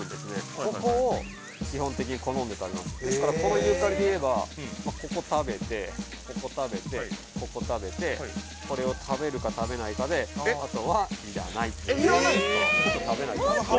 ここを基本的に好んで食べますですからこのユーカリでいえばここ食べてここ食べてここ食べてこれを食べるか食べないかでいらないんすか！？